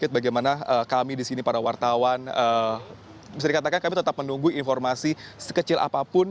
bagaimana kami di sini para wartawan bisa dikatakan kami tetap menunggu informasi sekecil apapun